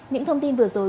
những thông tin vừa rồi